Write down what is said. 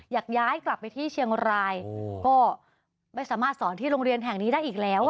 อยากย้ายกลับไปที่เชียงรายก็ไม่สามารถสอนที่โรงเรียนแห่งนี้ได้อีกแล้ว